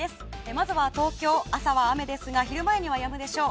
まずは東京、朝は雨ですが昼前にはやむでしょう。